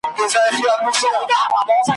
بازارونه مالامال دي له رنګونو ,